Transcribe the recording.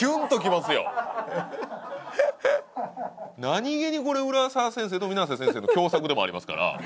何げにこれ浦沢先生と水瀬先生の共作でもありますから。